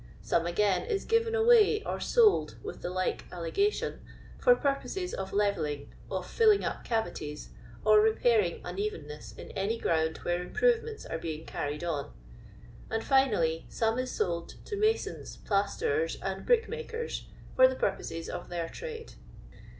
Some, again, is given awaj or sold (with the like allegation) for purposes of levelling, of filling up cavities, or repairing nn evennesses in any ground where improvements are being carried on; and, finally, some is sold to masons, plasterers, and brickmakers, for the pur poses of their trade.